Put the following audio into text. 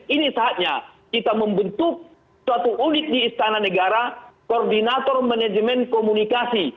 ini saatnya kita membentuk suatu unit di istana negara koordinator manajemen komunikasi